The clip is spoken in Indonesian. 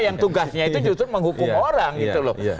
yang tugasnya itu justru menghukum orang gitu loh